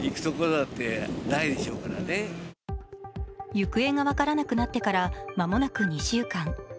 行方が分からなくなってから間もなく２週間。